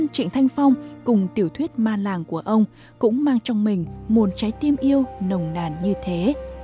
trịnh thanh phong cùng tiểu thuyết ma làng của ông cũng mang trong mình một trái tim yêu nồng nàn như thế